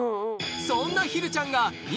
そんなひるちゃんがうわ！